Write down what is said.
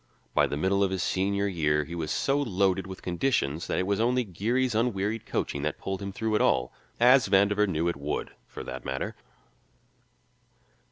By the middle of his senior year he was so loaded with conditions that it was only Geary's unwearied coaching that pulled him through at all as Vandover knew it would, for that matter.